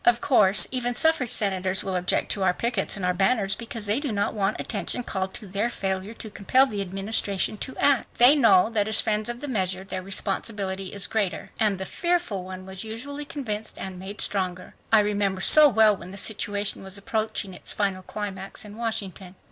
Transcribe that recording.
Of course even suffrage senators will object to our pickets and our banners because they do not want attention called to their failure to compel the Administration to act. They know that as friends of the measure their responsibility is greater." And the "fearful" one was usually convinced and made stronger. I remember so well when the situation was approaching its final climax in Washington.